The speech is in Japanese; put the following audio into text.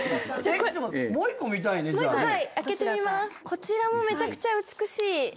こちらもめちゃくちゃ美しい。